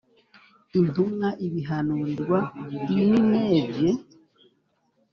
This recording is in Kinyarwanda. intumwa ibihanurirwa i Nineve